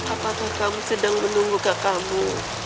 apakah kamu sedang menunggu kakakmu